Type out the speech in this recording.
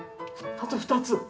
あと２つ。